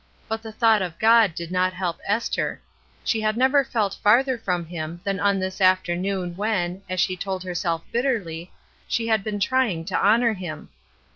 But the thought of God did not help Esther. She had never felt farther from Him than on this afternoon when, as she told herself bitterly, she had been trying to honor Him.